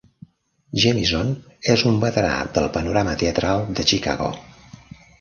Jemison és un veterà del panorama teatral de Chicago.